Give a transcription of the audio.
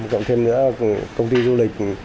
cộng thêm nữa là công ty du lịch